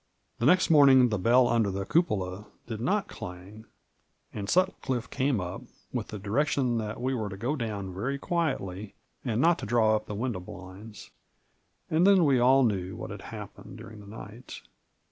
The next morning the bell nnder the cnpola did not clang, and Sutcliffe came np, with the direction that we were to go down very quietly, and not to draw up the window blinds; and then we all knew what had hap pened during the night.